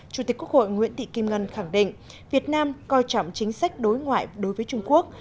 chủ tịch quốc hội nguyễn thị kim ngân khẳng định việt nam coi trọng chính sách đối ngoại đối với trung quốc